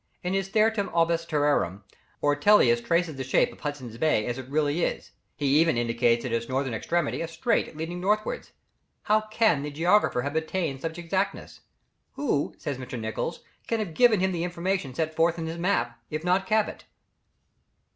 In his Theatrum orbis terrarum, Ortelius traces the shape of Hudson's Bay as it really is; he even indicates at its northern extremity a strait leading northwards. How can the geographer have attained to such exactness? "Who," says Mr. Nicholls, "can have given him the information set forth in his map, if not Cabot?"